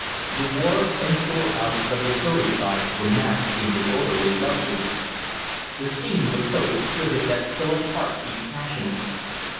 The wharfs and store houses of the Surrey Side were massed in disorderly loveliness. The scene was so exquisite that Philip's heart beat passionately.